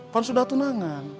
kan sudah tunangan